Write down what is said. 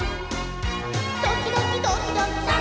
「どきどきどきどき」